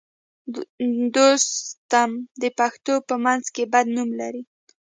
دوستم د پښتنو په منځ کې بد نوم لري